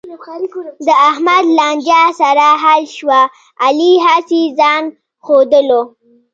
د احمد لانجه سره حل شوه، علي هسې ځآن ښودلو.